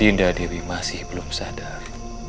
dinda dewi masih belum sadar